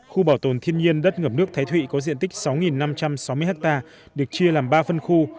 khu bảo tồn thiên nhiên đất ngập nước thái thụy có diện tích sáu năm trăm sáu mươi ha được chia làm ba phân khu